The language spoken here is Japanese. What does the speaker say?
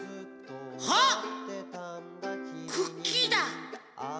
あっクッキーだ。